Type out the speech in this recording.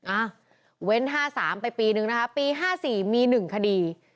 อ่าเว้นห้าสามไปปีหนึ่งนะคะปีห้าสี่มีหนึ่งคดี